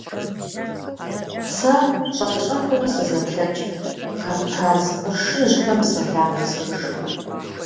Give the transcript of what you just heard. Сэ щӀэх-щӀэхыурэ сызэплъэкӀт, Кавказ къуршыжьхэм сэлам есхыжу.